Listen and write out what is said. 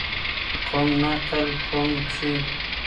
کوم نقل قول چي